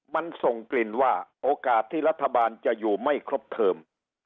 มันส่งกลิ่นว่าโอกาสที่รัฐบาลจะอยู่ไม่ครบเทิม